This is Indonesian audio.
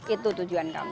itu tujuan kami